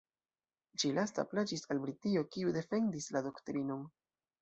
Ĉi-lasta plaĉis al Britio, kiu defendis la doktrinon.